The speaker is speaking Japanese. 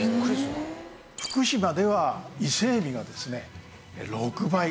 福島では伊勢海老がですね６倍。